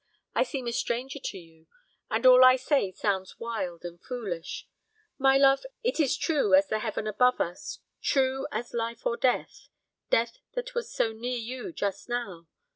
I seem a stranger to you, and all I say sounds wild and foolish. My love, it is true as the heaven above us true as life or death death that was so near you just now.